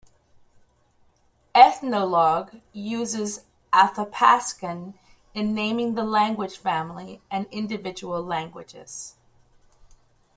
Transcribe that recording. "Ethnologue" uses "Athapaskan" in naming the language family and individual languages.